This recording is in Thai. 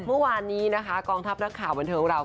ภูมิวานนี้นะค่ะกองทัพนักข่าววันเเทองของเรา